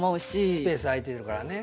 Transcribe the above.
スペース空いてるからね。